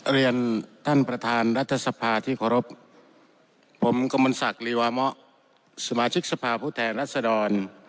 เรียนท่านประธานรัฐสภาที่เคารพผมกมลศักดิวามะสมาชิกสภาพผู้แทนรัศดร